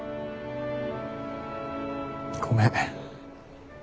ごめん。